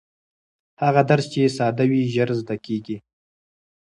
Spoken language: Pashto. هغه درس چې ساده وي ژر زده کېږي.